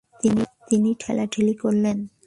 তিনি ঠেলাঠেলি করলেন।